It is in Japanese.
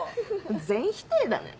全否定だね。